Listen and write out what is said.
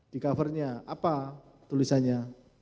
di cover nya apa tulisannya